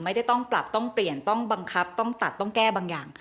ไม่ได้ต้องปรับต้องเปลี่ยนต้องบังคับต้องตัดต้องแก้บางอย่าง